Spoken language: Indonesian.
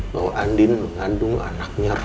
bahwa andin mengandung anaknya